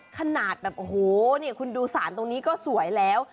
ขนาดแบบโอ้โหนี่คุณดูสารตรงนี้ก็สวยแล้ว